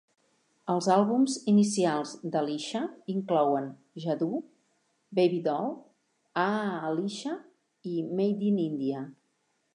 Els àlbums inicials d'Alisha inclouen "Jadoo", "Baby Doll", "Aaah Alisha" i "Made in India".